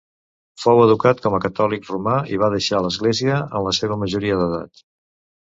Fou educat com a catòlic romà i va deixar l'Església en la seva majoria d'edat.